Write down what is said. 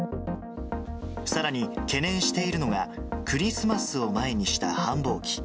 さらに懸念しているのが、クリスマスを前にした繁忙期。